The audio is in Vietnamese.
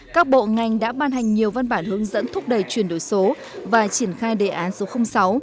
các bộ ngành đã ban hành nhiều văn bản hướng dẫn thúc đẩy chuyển đổi số và triển khai đề án số sáu